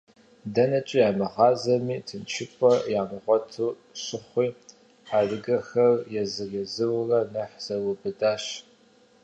Дэнэкӏэ ямыгъэзами тыншыпӏэ ямыгъуэт щыхъуи, адыгэхэр езыр-езырурэ нэхъ зэрыубыдащ.